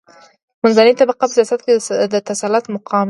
منځنۍ طبقه په سیاست کې د تسلط مقام لري.